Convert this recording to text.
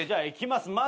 いきます。